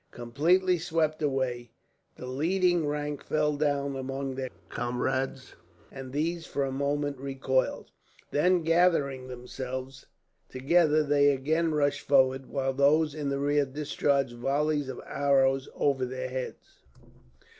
Completely swept away, the leading rank fell down among their comrades; and these, for a moment, recoiled. Then gathering themselves together they again rushed forward, while those in their rear discharged volleys of arrows over their heads.